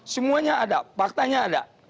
semuanya ada faktanya ada